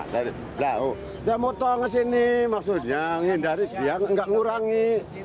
saya mau tol ke sini maksudnya menghindari dia nggak ngurangi